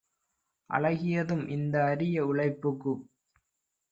ஆகியதும் இந்த அரிய உழைப்புக்குப்